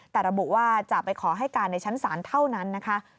แต่ระบุว่าจะไปขอให้การในชั้นศาลเท่านั้นนะคะ